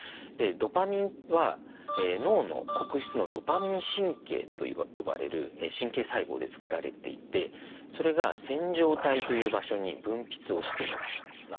ドパミンは脳の黒質の「ドパミン神経」と呼ばれる神経細胞で作られていてそれが線条体という場所に分泌をしています。